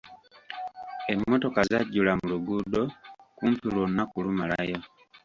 Emmotoka zajjula mu luguudo kumpi lwonna kulumalayo.